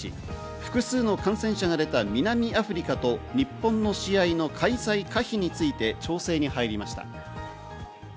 複数の感染者が出た南アフリカと日本の試合の開催可否について調整に入りました。